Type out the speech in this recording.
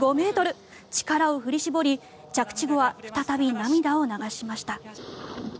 力を振り絞り、着地後は再び涙を流しました。